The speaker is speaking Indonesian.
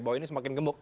bahwa ini semakin gemuk